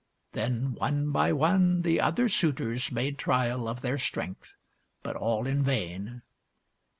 Then, one by one, the other suitors made trial of their strength; but all in vain.